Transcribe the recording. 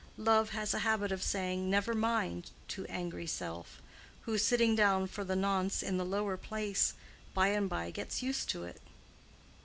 Love has a habit of saying "Never mind" to angry self, who, sitting down for the nonce in the lower place, by and by gets used to it.